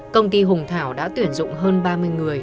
công ty hùng thảo đã tuyển dụng hơn ba mươi người